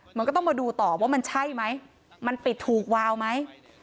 มันก็ต้องมาดูต่อว่ามันใช่ไหมมันปิดถูกวาวไหม